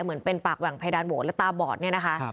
เหมือนเป็นปากแหว่งเพดานโหวตแล้วตาบอดเนี่ยนะคะ